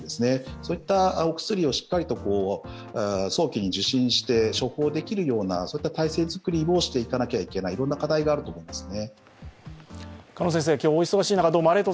そういったお薬をしっかりと早期に受診して処方できるような体制作りをしていかなきゃいけない、いろんな課題があると思いますね。